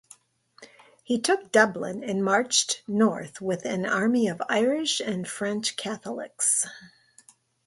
He took Dublin and marched north with an army of Irish and French Catholics.